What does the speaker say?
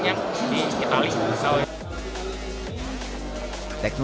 dan juga sebagai sebuah perusahaan yang sangat berhasil